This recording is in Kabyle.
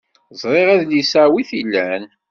Ẓriɣ adlis-a wi t-ilan.